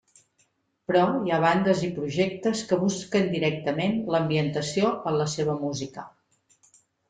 Però, hi ha bandes i projectes que busquen directament l'ambientació en la seva música.